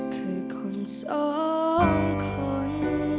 คือคนสองคน